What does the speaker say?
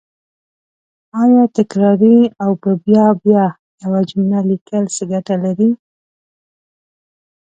آیا تکراري او په بیا بیا یوه جمله لیکل څه ګټه لري